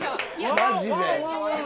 マジで。